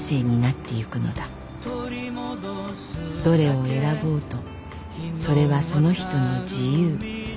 ［どれを選ぼうとそれはその人の自由］